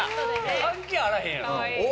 関係あらへんやん。